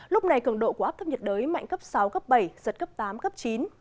lúc này cường độ của áp thấp nhiệt đới mạnh cấp sáu cấp bảy giật cấp tám cấp chín